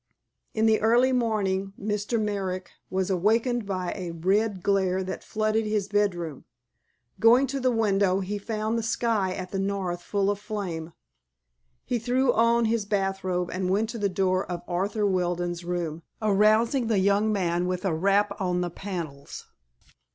In the early morning Mr. Merrick was awakened by a red glare that flooded his bedroom. Going to the window he found the sky at the north full of flame. He threw on his bathrobe and went to the door of Arthur Weldon's room, arousing the young man with a rap on the panels.